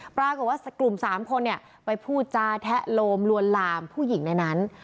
ปรากฏว่ากลุ่ม๓คนไปพูดจาแทะโลมลวนลามผู้หญิงในนั้น